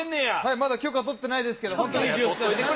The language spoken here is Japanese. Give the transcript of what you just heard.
まだ許可取ってないですけど。